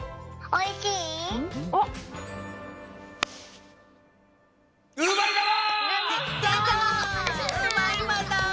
おいしい！